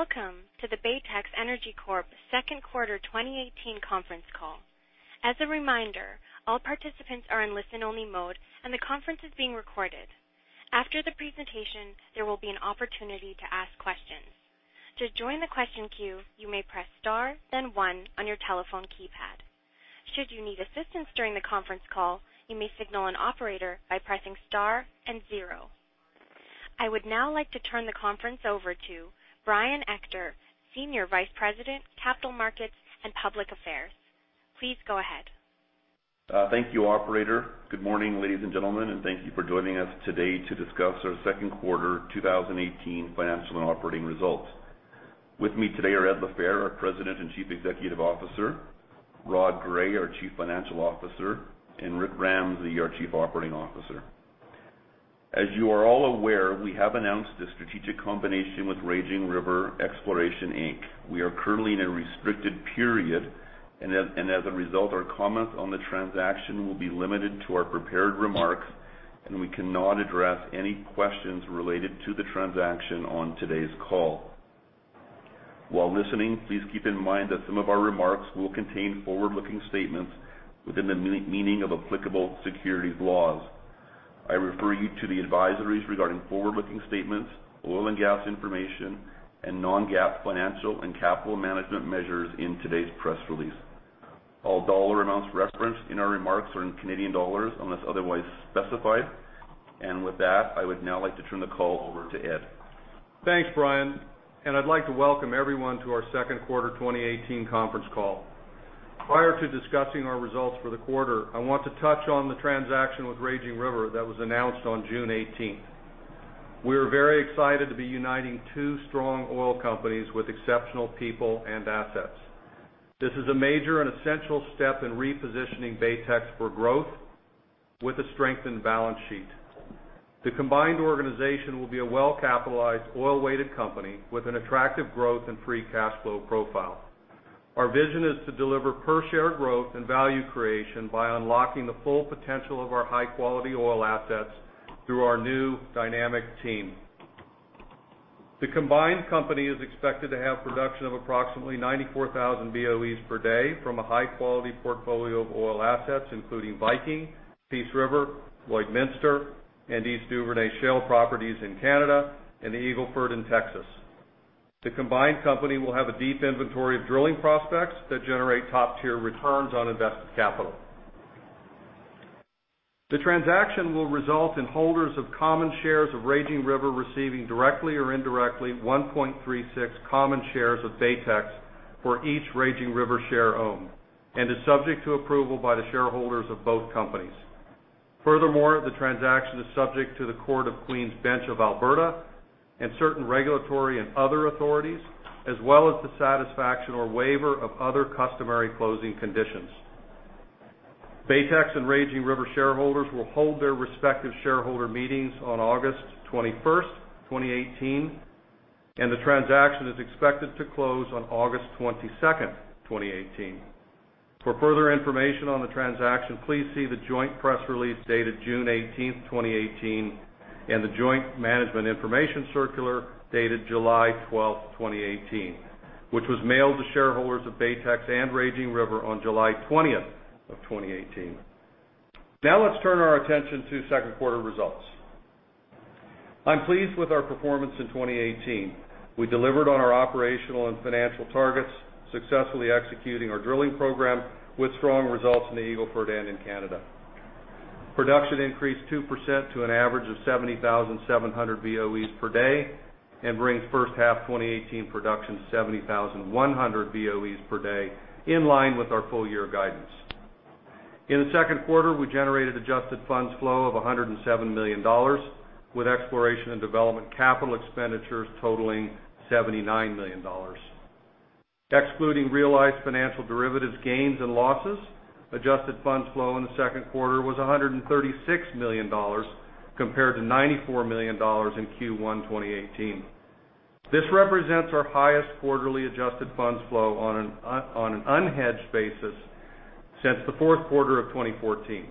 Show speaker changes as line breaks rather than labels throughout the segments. Welcome to the Baytex Energy Corp Second Quarter 2018 conference call. As a reminder, all participants are in listen-only mode, and the conference is being recorded. After the presentation, there will be an opportunity to ask questions. To join the question queue, you may press star then one on your telephone keypad. Should you need assistance during the conference call, you may signal an operator by pressing star and zero. I would now like to turn the conference over to Brian Ector, Senior Vice President, Capital Markets and Public Affairs. Please go ahead.
Thank you, operator. Good morning, ladies and gentlemen, and thank you for joining us today to discuss our second quarter 2018 financial and operating results. With me today are Ed LaFehr, our President and Chief Executive Officer, Rod Gray, our Chief Financial Officer, and Rick Ramsay, our Chief Operating Officer. As you are all aware, we have announced a strategic combination with Raging River Exploration Inc. We are currently in a restricted period, and as a result, our comments on the transaction will be limited to our prepared remarks, and we cannot address any questions related to the transaction on today's call. While listening, please keep in mind that some of our remarks will contain forward-looking statements within the meaning of applicable securities laws. I refer you to the advisories regarding forward-looking statements, oil and gas information, and non-GAAP financial and capital management measures in today's press release. All dollar amounts referenced in our remarks are in Canadian dollars, unless otherwise specified. And with that, I would now like to turn the call over to Ed.
Thanks, Brian, and I'd like to welcome everyone to our second quarter 2018 conference call. Prior to discussing our results for the quarter, I want to touch on the transaction with Raging River that was announced on June eighteenth. We are very excited to be uniting two strong oil companies with exceptional people and assets. This is a major and essential step in repositioning Baytex for growth with a strengthened balance sheet. The combined organization will be a well-capitalized, oil-weighted company with an attractive growth and free cash flow profile. Our vision is to deliver per-share growth and value creation by unlocking the full potential of our high-quality oil assets through our new dynamic team. The combined company is expected to have production of approximately 94,000 BOEs per day from a high-quality portfolio of oil assets, including Viking, Peace River, Lloydminster, and East Duvernay shale properties in Canada and the Eagle Ford in Texas. The combined company will have a deep inventory of drilling prospects that generate top-tier returns on invested capital. The transaction will result in holders of common shares of Raging River receiving, directly or indirectly, 1.36 common shares of Baytex for each Raging River share owned and is subject to approval by the shareholders of both companies. Furthermore, the transaction is subject to the Court of Queen's Bench of Alberta and certain regulatory and other authorities, as well as the satisfaction or waiver of other customary closing conditions. Baytex and Raging River shareholders will hold their respective shareholder meetings on August twenty-first, 2018, and the transaction is expected to close on August twenty-second, 2018. For further information on the transaction, please see the joint press release dated June eighteenth, 2018, and the joint management information circular dated July twelfth, 2018, which was mailed to shareholders of Baytex and Raging River on July twentieth of 2018. Now, let's turn our attention to second quarter results. I'm pleased with our performance in 2018. We delivered on our operational and financial targets, successfully executing our drilling program with strong results in the Eagle Ford and in Canada. Production increased 2% to an average of 70,700 BOEs per day and brings first half 2018 production to 70,100 BOEs per day, in line with our full year guidance. In the second quarter, we generated adjusted funds flow of 107 million dollars, with exploration and development capital expenditures totaling 79 million dollars. Excluding realized financial derivatives, gains and losses, adjusted funds flow in the second quarter was 136 million dollars, compared to 94 million dollars in Q1 2018. This represents our highest quarterly adjusted funds flow on an unhedged basis since the fourth quarter of 2014.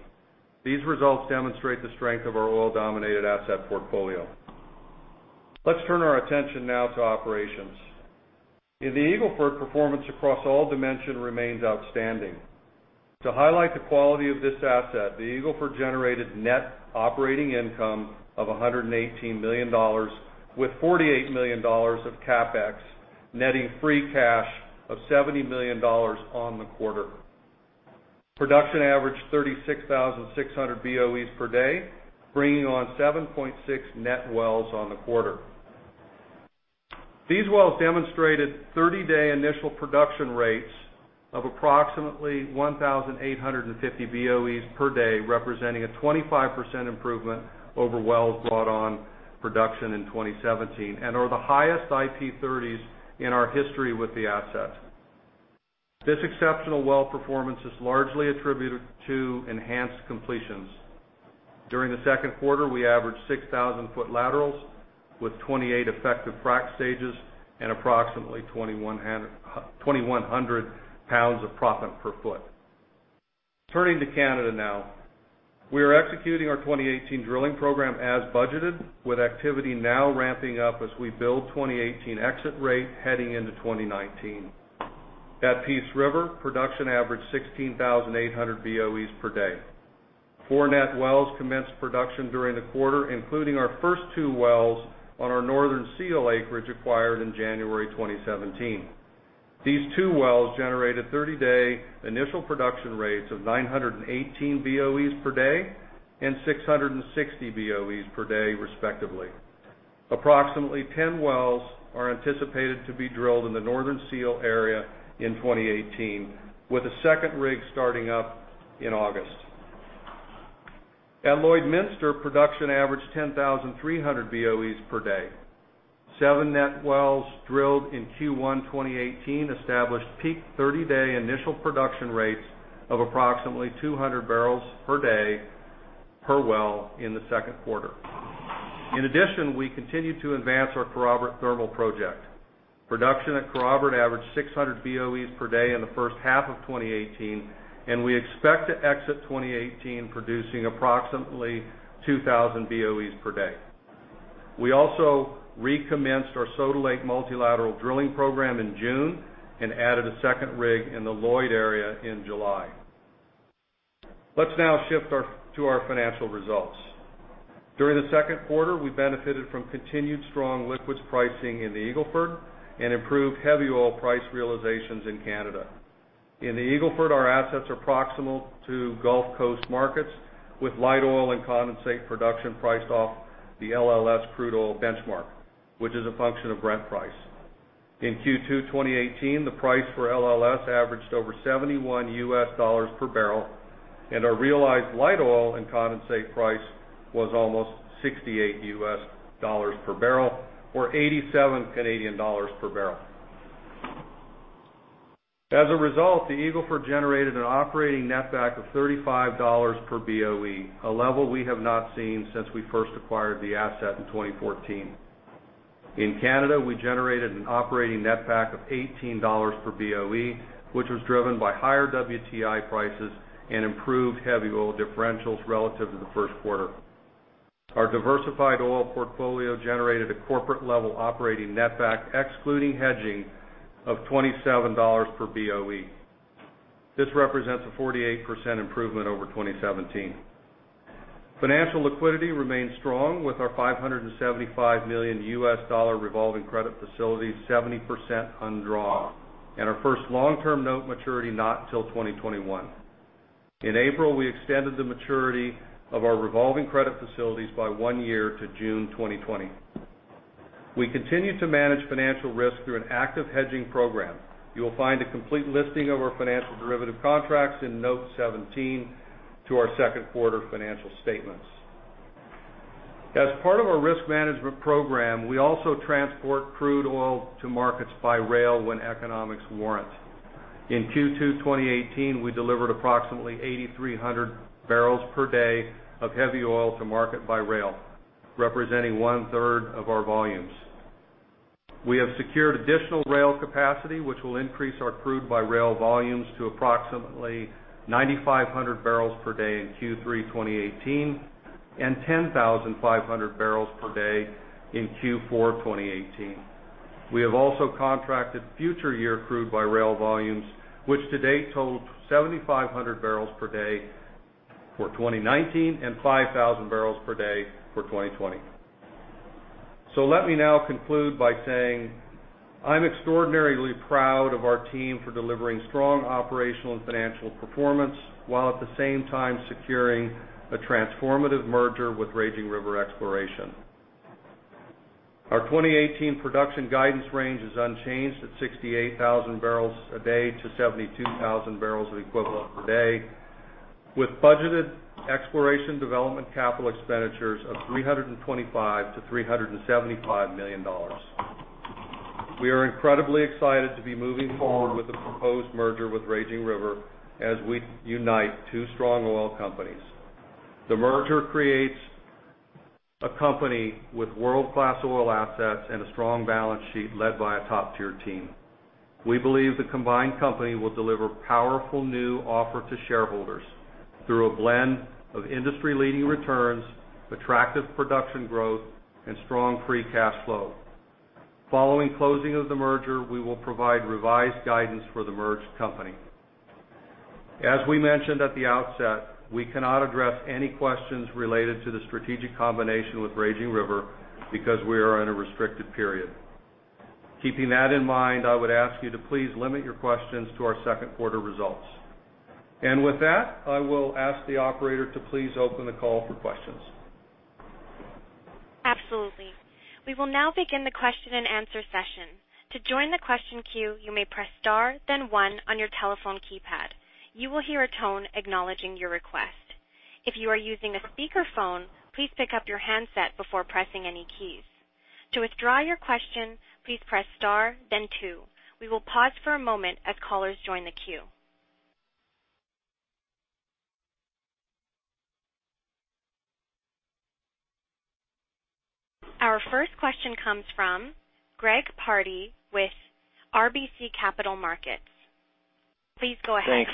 These results demonstrate the strength of our oil-dominated asset portfolio. Let's turn our attention now to operations. In the Eagle Ford, performance across all dimensions remains outstanding. To highlight the quality of this asset, the Eagle Ford generated net operating income of 118 million dollars, with 48 million dollars of CapEx, netting free cash of 70 million dollars on the quarter. Production averaged 36,600 BOE per day, bringing on 7.6 net wells in the quarter. These wells demonstrated thirty-day initial production rates of approximately 1,850 BOE per day, representing a 25% improvement over wells brought on production in 2017 and are the highest IP30s in our history with the asset. This exceptional well performance is largely attributed to enhanced completions. During the second quarter, we averaged 6,000-foot laterals with 28 effective frac stages and approximately 2,100 pounds of proppant per foot. Turning to Canada now. We are executing our 2018 drilling program as budgeted, with activity now ramping up as we build 2018 exit rate heading into 2019. At Peace River, production averaged 16,800 BOE per day. Four net wells commenced production during the quarter, including our first two wells on our Northern Seal acreage acquired in January 2017. These two wells generated thirty-day initial production rates of 918 BOEs per day and 660 BOEs per day, respectively. Approximately 10 wells are anticipated to be drilled in the Northern Seal area in 2018, with a second rig starting up in August. At Lloydminster, production averaged 10,300 BOEs per day. Seven net wells drilled in Q1 2018 established peak thirty-day initial production rates of approximately 200 barrels per day per well in the second quarter. In addition, we continued to advance our Karrobert thermal project. Production at Karrobert averaged 600 BOEs per day in the first half of 2018, and we expect to exit 2018 producing approximately 2,000 BOEs per day. We also recommenced our Soda Lake multilateral drilling program in June and added a second rig in the Lloyd area in July. Let's now shift to our financial results. During the second quarter, we benefited from continued strong liquids pricing in the Eagle Ford and improved heavy oil price realizations in Canada. In the Eagle Ford, our assets are proximal to Gulf Coast markets, with light oil and condensate production priced off the LLS crude oil benchmark, which is a function of Brent price. In Q2 2018, the price for LLS averaged over $71 per barrel, and our realized light oil and condensate price was almost $68 per barrel, or 87 Canadian dollars per barrel. As a result, the Eagle Ford generated an operating netback of $35 per BOE, a level we have not seen since we first acquired the asset in 2014. In Canada, we generated an operating netback of 18 dollars per BOE, which was driven by higher WTI prices and improved heavy oil differentials relative to the first quarter. Our diversified oil portfolio generated a corporate-level operating netback, excluding hedging, of 27 dollars per BOE. This represents a 48% improvement over 2017. Financial liquidity remains strong, with our $575 million revolving credit facility 70% undrawn, and our first long-term note maturity not till 2021. In April, we extended the maturity of our revolving credit facilities by 1 year to June 2020. We continue to manage financial risk through an active hedging program. You will find a complete listing of our financial derivative contracts in Note 17 to our second quarter financial statements. As part of our risk management program, we also transport crude oil to markets by rail when economics warrant. In Q2 2018, we delivered approximately 8,300 barrels per day of heavy oil to market by rail, representing one-third of our volumes. We have secured additional rail capacity, which will increase our crude by rail volumes to approximately 9,500 barrels per day in Q3 2018, and 10,500 barrels per day in Q4 2018. We have also contracted future year crude by rail volumes, which to date total 7,500 barrels per day for 2019 and 5,000 barrels per day for 2020. So let me now conclude by saying, I'm extraordinarily proud of our team for delivering strong operational and financial performance, while at the same time securing a transformative merger with Raging River Exploration. Our 2018 production guidance range is unchanged at 68,000 barrels a day to 72,000 barrels of oil equivalent per day, with budgeted exploration development capital expenditures of 325-375 million dollars. We are incredibly excited to be moving forward with the proposed merger with Raging River as we unite two strong oil companies. The merger creates a company with world-class oil assets and a strong balance sheet led by a top-tier team. We believe the combined company will deliver powerful new offer to shareholders through a blend of industry-leading returns, attractive production growth, and strong free cash flow. Following closing of the merger, we will provide revised guidance for the merged company. As we mentioned at the outset, we cannot address any questions related to the strategic combination with Raging River because we are in a restricted period. Keeping that in mind, I would ask you to please limit your questions to our second quarter results, and with that, I will ask the operator to please open the call for questions.
Absolutely. We will now begin the question-and-answer session. To join the question queue, you may press star, then one on your telephone keypad. You will hear a tone acknowledging your request. If you are using a speakerphone, please pick up your handset before pressing any keys. To withdraw your question, please press star, then two. We will pause for a moment as callers join the queue.... Our first question comes from Greg Pardy with RBC Capital Markets. Please go ahead.
Thanks.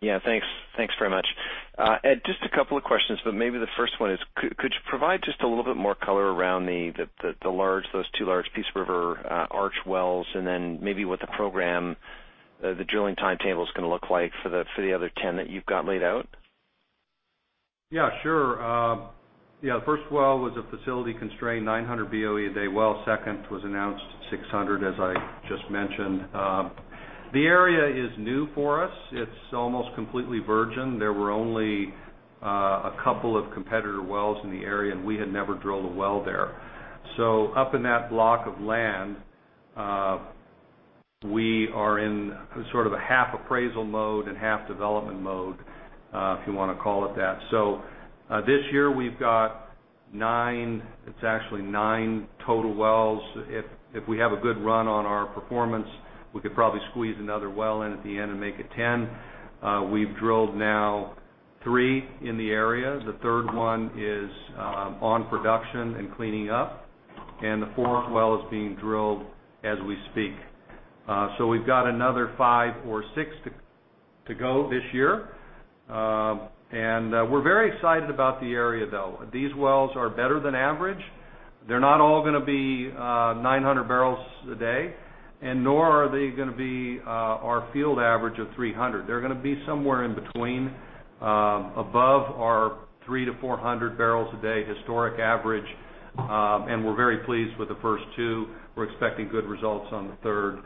Yeah, thanks. Thanks very much. Ed, just a couple of questions, but maybe the first one is, could you provide just a little bit more color around the large, those two large Peace River Arch wells, and then maybe what the program, the drilling timetable is gonna look like for the other 10 that you've got laid out?
Yeah, sure. Yeah, the first well was a facility-constrained, nine hundred BOE a day well. Second was announced six hundred, as I just mentioned. The area is new for us. It's almost completely virgin. There were only a couple of competitor wells in the area, and we had never drilled a well there. So up in that block of land, we are in sort of a half appraisal mode and half development mode, if you wanna call it that. So, this year, we've got nine... It's actually nine total wells. If we have a good run on our performance, we could probably squeeze another well in at the end and make it ten. We've drilled now three in the area. The third one is on production and cleaning up, and the fourth well is being drilled as we speak. So we've got another five or six to go this year. We're very excited about the area, though. These wells are better than average. They're not all gonna be 900 barrels a day, and nor are they gonna be our field average of 300. They're gonna be somewhere in between, above our 300-400 barrels a day historic average. We're very pleased with the first two. We're expecting good results on the third.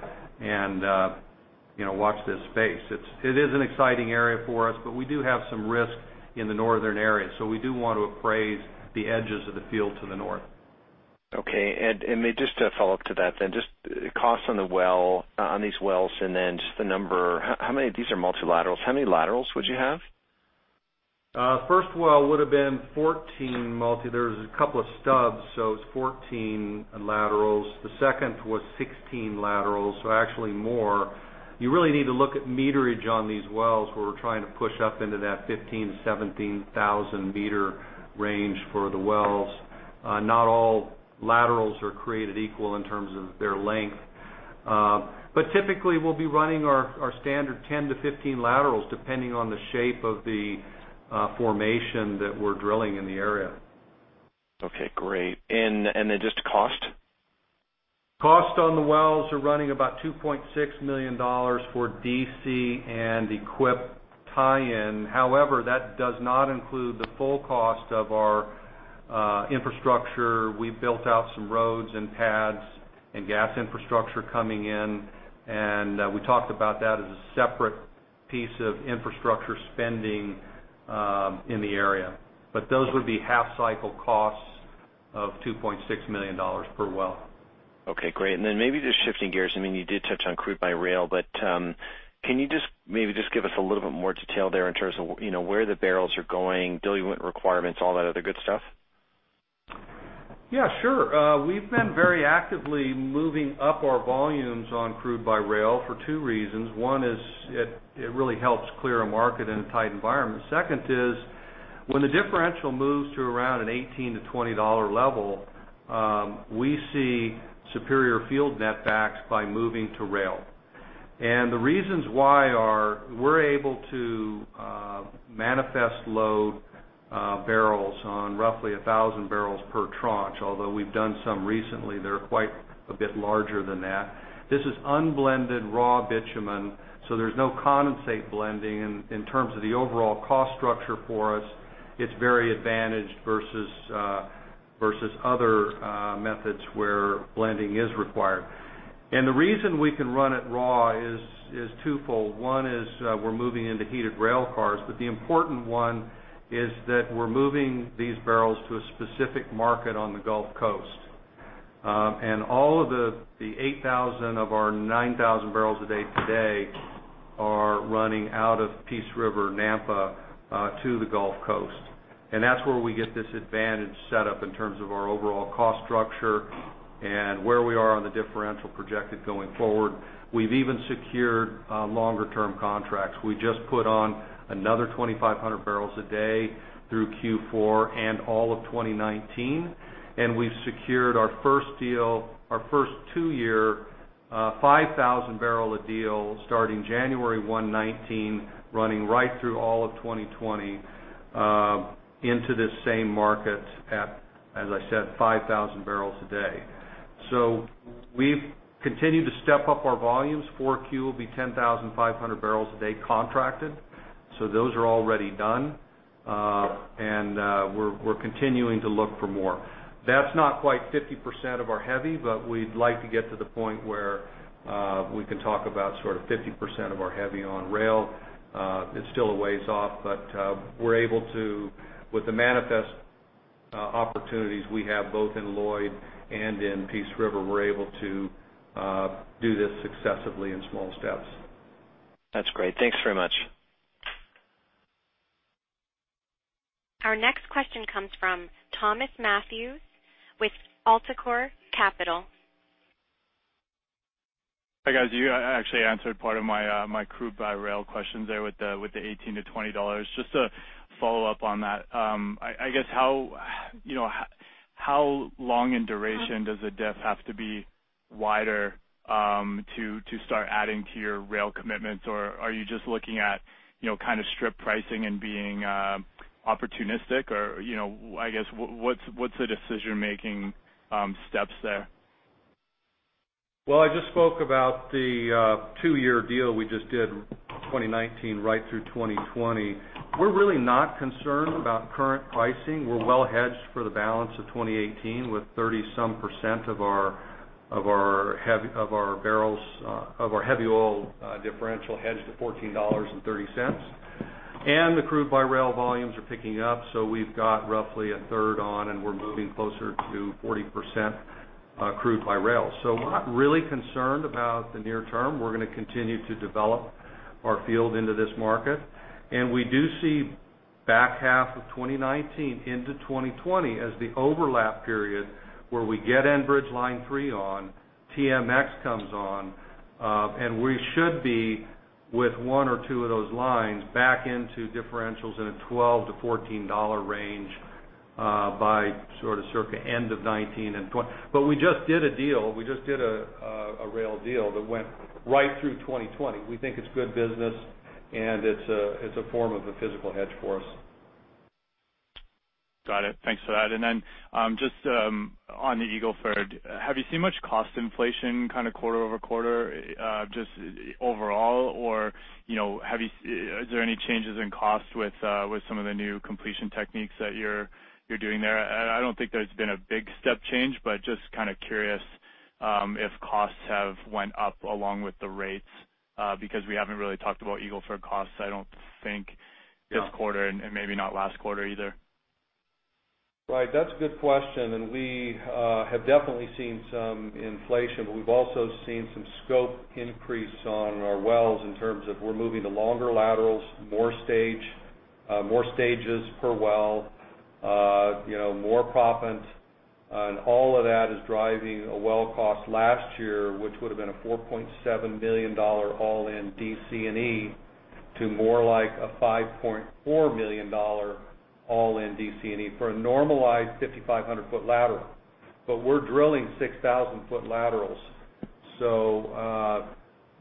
You know, watch this space. It is an exciting area for us, but we do have some risk in the northern area, so we do want to appraise the edges of the field to the north.
Okay. And then just to follow up to that, then just cost on the well, on these wells, and then just the number. How many—these are multilaterals. How many laterals would you have?
First well would have been 14 multi. There was a couple of stubs, so it's 14 laterals. The second was 16 laterals, so actually more. You really need to look at meterage on these wells, where we're trying to push up into that 15-17 thousand-meter range for the wells. Not all laterals are created equal in terms of their length. But typically, we'll be running our standard 10-15 laterals, depending on the shape of the formation that we're drilling in the area.
Okay, great, and then just cost?
Costs on the wells are running about 2.6 million dollars for DC&E tie-in. However, that does not include the full cost of our infrastructure. We built out some roads and pads and gas infrastructure coming in, and we talked about that as a separate piece of infrastructure spending in the area. But those would be half-cycle costs of 2.6 million dollars per well.
Okay, great. And then maybe just shifting gears, I mean, you did touch on crude by rail, but, can you just maybe just give us a little bit more detail there in terms of, you know, where the barrels are going, diluent requirements, all that other good stuff?
Yeah, sure. We've been very actively moving up our volumes on crude by rail for two reasons. One is it really helps clear a market in a tight environment. Second is, when the differential moves to around an 18-20 dollar level, we see superior field netbacks by moving to rail. And the reasons why are we're able to manifest load barrels on roughly 1,000 barrels per tranche, although we've done some recently, they're quite a bit larger than that. This is unblended, raw bitumen, so there's no condensate blending. In terms of the overall cost structure for us, it's very advantaged versus other methods where blending is required. And the reason we can run it raw is twofold. One is, we're moving into heated rail cars, but the important one is that we're moving these barrels to a specific market on the Gulf Coast, and all of the 8,000 of our 9,000 barrels a day today are running out of Peace River, Nampa, to the Gulf Coast, and that's where we get this advantage set up in terms of our overall cost structure and where we are on the differential projected going forward. We've even secured longer term contracts. We just put on another 2,500 barrels a day through Q4 and all of 2019, and we've secured our first deal, our first two-year 5,000 barrel a deal starting January 1, 2019, running right through all of 2020, into this same market at, as I said, 5,000 barrels a day. So we've continued to step up our volumes. 4Q will be 10,500 barrels a day contracted, so those are already done. And we're continuing to look for more. That's not quite 50% of our heavy, but we'd like to get to the point where we can talk about sort of 50% of our heavy on rail. It's still a ways off, but we're able to. With the manifest opportunities we have, both in Lloyd and in Peace River, we're able to do this successively in small steps.
That's great. Thanks very much.
Our next question comes from Thomas Matthews with AltaCorp Capital....
Hi, guys. You actually answered part of my crude by rail questions there with the $18-$20. Just to follow up on that, I guess how, you know, how long in duration does the diff have to be wider to start adding to your rail commitments? Or are you just looking at, you know, kind of strip pricing and being opportunistic? Or, you know, I guess what's the decision-making steps there?
I just spoke about the two-year deal we just did, 2019 right through 2020. We're really not concerned about current pricing. We're well hedged for the balance of 2018, with 30-some% of our heavy oil barrels differential hedged to $14.30. The crude by rail volumes are picking up, so we've got roughly a third on, and we're moving closer to 40% crude by rail. We're not really concerned about the near term. We're gonna continue to develop our field into this market. And we do see back half of 2019 into 2020 as the overlap period where we get Enbridge Line 3 on, TMX comes on, and we should be, with one or two of those lines, back into differentials in a twelve to fourteen dollar range, by sort of circa end of 2019 and 2020. But we just did a deal. We just did a rail deal that went right through 2020. We think it's good business, and it's a form of a physical hedge for us.
Got it. Thanks for that. And then, just, on the Eagle Ford, have you seen much cost inflation kind of quarter over quarter, just overall? Or, you know, have you, is there any changes in cost with, with some of the new completion techniques that you're doing there? I don't think there's been a big step change, but just kind of curious, if costs have went up along with the rates, because we haven't really talked about Eagle Ford costs, I don't think.
No...
this quarter and maybe not last quarter either.
Right. That's a good question, and we have definitely seen some inflation. But we've also seen some scope increase on our wells in terms of we're moving to longer laterals, more stages per well, you know, more proppants. And all of that is driving a well cost last year, which would've been a 4.7 million dollar all-in DC & E, to more like a 5.4 million dollar all-in DC & E for a normalized 5,500-foot lateral. But we're drilling 6,000-foot laterals, so,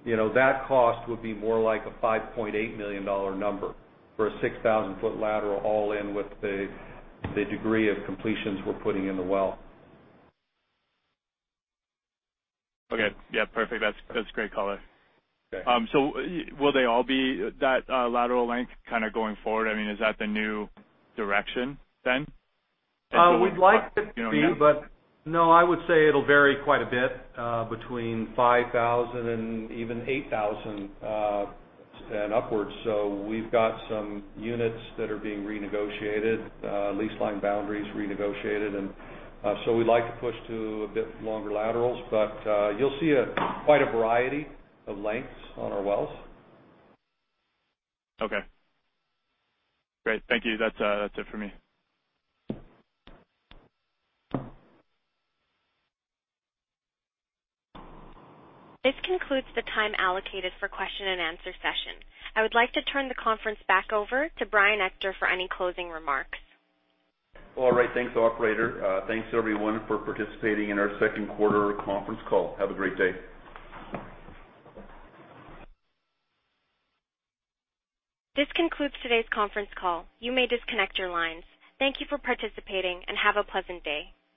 you know, that cost would be more like a 5.8 million dollar number for a 6,000-foot lateral, all in with the degree of completions we're putting in the well.
Okay. Yeah, perfect. That's, that's great color.
Okay.
Will they all be that lateral length kind of going forward? I mean, is that the new direction then?
We'd like it to be.
You know, yes?
But no, I would say it'll vary quite a bit between 5,000 and even 8,000 and upwards, so we've got some units that are being renegotiated, lease line boundaries renegotiated, and so we'd like to push to a bit longer laterals, but you'll see quite a variety of lengths on our wells.
Okay. Great. Thank you. That's it for me.
This concludes the time allocated for question and answer session. I would like to turn the conference back over to Brian Ector for any closing remarks.
All right. Thanks, operator. Thanks, everyone, for participating in our second quarter conference call. Have a great day.
This concludes today's conference call. You may disconnect your lines. Thank you for participating, and have a pleasant day.